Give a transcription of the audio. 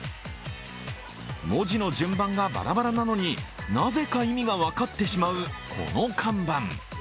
文字の順番がバラバラなのになぜか意味が分かってしまうこの看板。